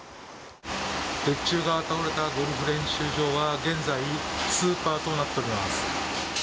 鉄柱が倒れたゴルフ練習場は現在スーパーになっています。